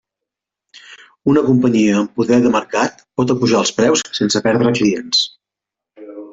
Una companyia amb poder de mercat pot apujar els preus sense perdre clients.